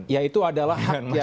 ya itu adalah pilihan